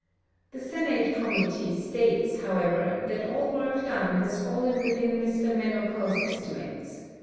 The Senate committee states, how ever, that all work done has fallen within ]\Ir Menocal 's estimates.